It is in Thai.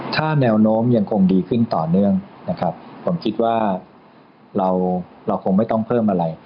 ถ้าแนวโน้มยังคงดีขึ้นต่อเนื่องนะครับผมคิดว่าเราเราคงไม่ต้องเพิ่มอะไร